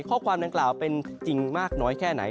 ข้อความดังกล่าวเป็นจริงมากน้อยแค่ไหน